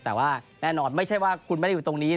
แต่ว่าแน่นอนไม่ใช่ว่าคุณไม่ได้อยู่ตรงนี้